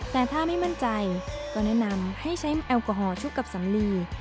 แต่ถ้าไม่มั่นใจก็แนะนำให้ใช้แอลกอฮอลชุบกับสำลี